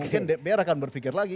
mungkin dpr akan berpikir lagi